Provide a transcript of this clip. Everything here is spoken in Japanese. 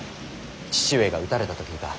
父上が討たれたと聞いた。